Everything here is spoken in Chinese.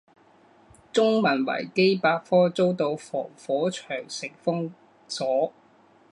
中文维基百科遭到防火长城封锁。